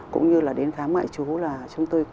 cũng như là đến khám ngoại chú là chúng tôi